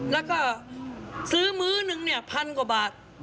แล้วก็ซื้อมื้อหนึ่งเนี่ยพันกว่าบาท